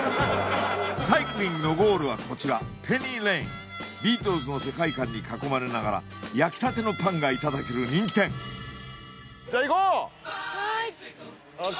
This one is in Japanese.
サイクリングのゴールはこちらペニーレインビートルズの世界観に囲まれながら焼きたてのパンがいただける人気店じゃあ行こう！